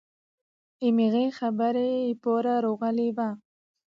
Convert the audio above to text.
هماغه خبرې لپاره راغلي وو.